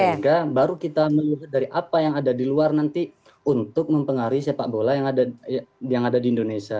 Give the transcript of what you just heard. sehingga baru kita melihat dari apa yang ada di luar nanti untuk mempengaruhi sepak bola yang ada di indonesia